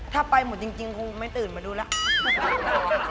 ถ้าไปหมดจริงคงไม่ตื่นมาดูแล้ว